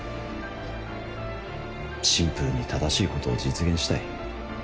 シンプルに正しいことを実現したい。